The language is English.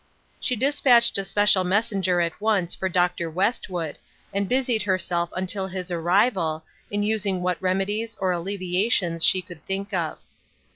She dispatched a special messenger at once for Dr. Westwood, and busied herself until his arrival, in using what remedies or alleviations she could think of.